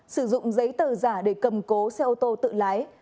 sử dụng giấy tờ giả để cầm cố xe ô tô tự lái